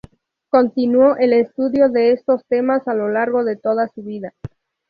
Continuó el estudio de estos temas a lo largo de toda su vida.